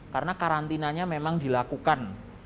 karena karantinanya memang dilakukan